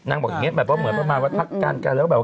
นางบอกอย่างเงี้ยแบบว่าเหมือนประมาณว่าทักการการแล้วแบบว่า